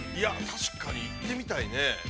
◆確かに、行ってみたいね。